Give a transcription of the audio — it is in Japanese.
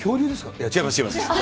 いや、違います、違います。